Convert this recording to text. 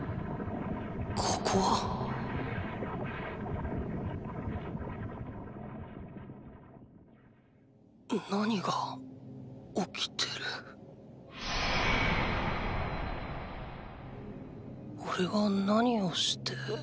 ここは⁉何が起きてるおれは何をして。